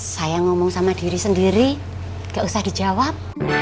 saya ngomong sama diri sendiri gak usah dijawab